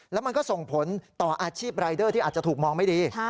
แล้วมันก็ส่งผลต่ออาชีพรายเดอร์ที่อาจจะถูกมองไม่ดี